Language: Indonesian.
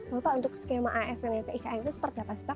bapak untuk skema asn dan ikn itu seperti apa